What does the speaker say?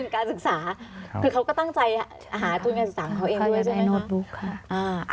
เขายังในโน้ตบุ๊คค่ะ